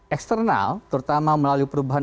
eksternal terutama melalui perubahan